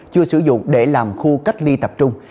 chưa sử dụng để làm khu cách ly tập trung